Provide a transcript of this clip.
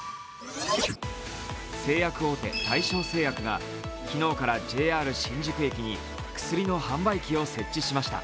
製薬大手・大正製薬が昨日からＪＲ新宿駅に薬の販売機を設置しました。